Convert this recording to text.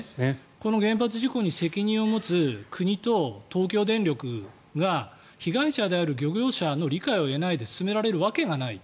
この原発事故に責任を持つ国と東京電力が被害者である漁業者の理解を得ないで進められるわけがない。